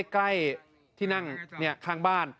ใกล้ที่นั่งข้างบ้าน